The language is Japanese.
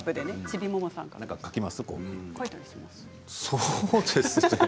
そうですね。